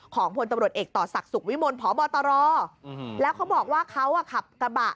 พลตำรวจเอกต่อศักดิ์สุขวิมลพบตรแล้วเขาบอกว่าเขาขับกระบะ